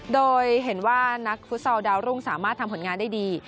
โดยเห็นว่านักฟุตซอลดาวรุ่งสามารถทำผลงานได้ดี